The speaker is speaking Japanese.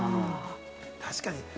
確かに。